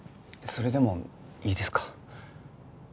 それでもいいですか？